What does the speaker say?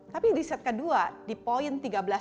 tapi di set kedua di poin tiga belas delapan